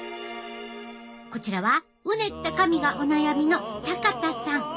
こちらはうねった髪がお悩みの坂田さん。